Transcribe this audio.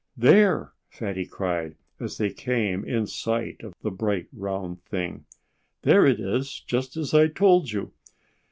"There!" Fatty cried, as they came in sight of the bright, round thing. "There it is just as I told you!"